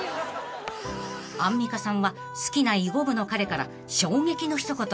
［アンミカさんは好きな囲碁部の彼から衝撃の一言］